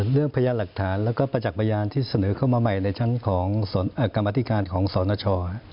พยานหลักฐานแล้วก็ประจักษ์พยานที่เสนอเข้ามาใหม่ในชั้นของกรรมธิการของสนช